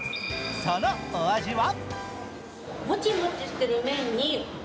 そのお味は？